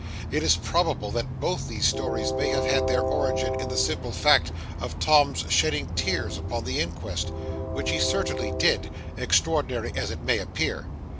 It is probable that both these stories may have had their origin in the simple fact of Tom's shedding tears upon the inquest which he certainly did, extraordinary as it may appear.